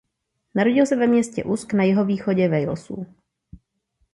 Narodil se ve městě Usk na jihovýchodě Walesu.